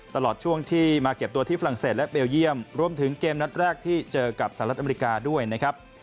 ตลอดช่วงที่มาเก็บตัวที่ฝรั่งเศสและเบลเยี่ยมรวมถึงเกมนัดแรกที่เจอกับสหรัฐอเมริกาด้วยนะครับ